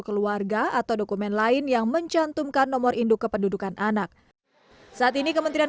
keluarga atau dokumen lain yang mencantumkan nomor induk kependudukan anak saat ini kementerian